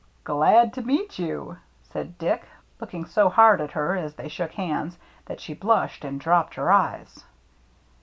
"Glad to meet you," said Dick, looking so hard at her as they shook hands that she blushed and dropped her eyes.